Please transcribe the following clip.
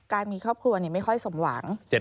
การมีครอบครัวไม่ค่อยสมหวัง